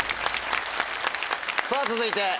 さぁ続いて。